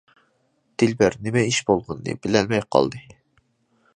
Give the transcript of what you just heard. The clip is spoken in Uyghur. دىلبەر نېمە ئىش بولغىنىنى بىلەلمەي قالدى.